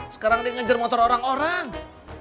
sekarang dia ngejar motor orang orang